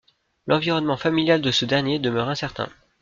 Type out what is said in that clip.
L'environnement familial de ce dernier demeure incertain.